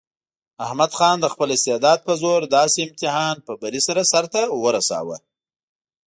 احمد خان د خپل استعداد په زور داسې امتحان په بري سره سرته ورساوه.